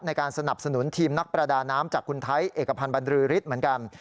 ในการสนับสนุนทีมนักประดาน้ำจากคุณไทยเอกพันธ์บรรลือฤทธิ์เหมือนกัน